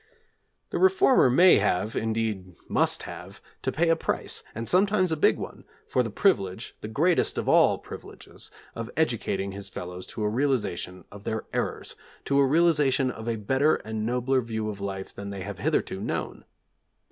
The reformer may have, indeed must have, to pay a price, and sometimes a big one, for the privilege, the greatest of all privileges, of educating his fellows to a realisation of their errors, to a realisation of a better and nobler view of life than they have hitherto known.